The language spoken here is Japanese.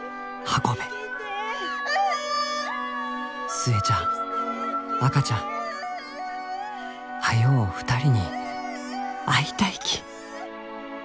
「寿恵ちゃん赤ちゃん早う２人に会いたいき」。